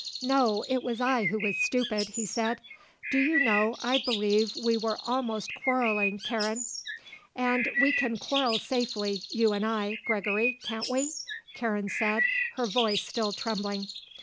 "No. It was I who was stupid," he said. "Do you know, I believe we were almost quarrelling, Karen." "And we can quarrel safely you and I, Gregory, can't we?" Karen said, her voice still trembling.